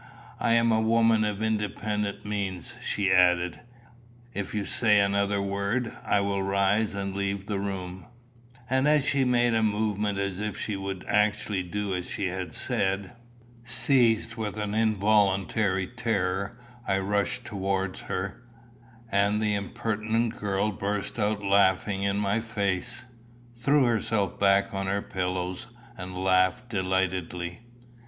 "I am a woman of independent means," she added. "If you say another word, I will rise and leave the room." And she made a movement as if she would actually do as she had said. Seized with an involuntary terror, I rushed towards her, and the impertinent girl burst out laughing in my face threw herself back on her pillows, and laughed delightedly.